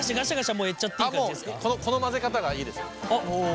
もうこの混ぜ方がいいですね。